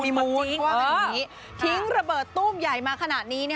เพราะว่าเป็นอย่างนี้ทิ้งระเบิดตู้มใหญ่มาขนาดนี้